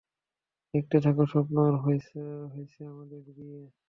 দেখতে থাকো স্বপ্ন, আর হইছে আমাদের বিয়ে।